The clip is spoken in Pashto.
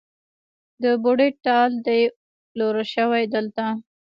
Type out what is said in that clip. د بوډۍ ټال دی پلورل شوی دلته